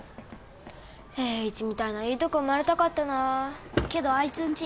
栄一みたいないいとこ生まれたかったなけどアイツんち